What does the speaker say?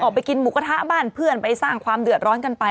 ไปกินหมูกระทะบ้านเพื่อนไปสร้างความเดือดร้อนกันไป